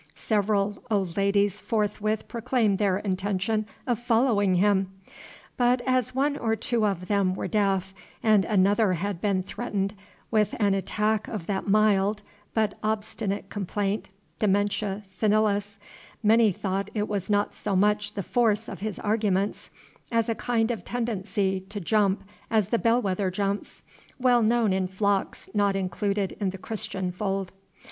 Several old ladies forthwith proclaimed their intention of following him; but, as one or two of them were deaf, and another had been threatened with an attack of that mild, but obstinate complaint, dementia senilis, many thought it was not so much the force of his arguments as a kind of tendency to jump as the bellwether jumps, well known in flocks not included in the Christian fold.